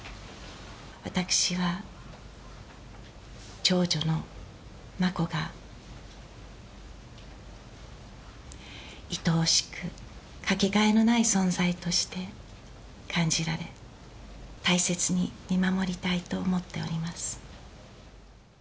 私は長女の眞子がいとおしく掛けがえのない存在として感じられ、大切に見守りたいと思っております。